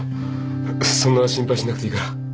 そんな心配しなくていいから。